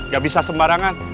gak bisa sembarangan